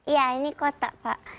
iya ini kota pak